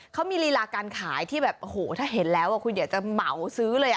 เขามีลีลาการขายที่แบบโอ้โหถ้าเห็นแล้วคุณอยากจะเหมาซื้อเลย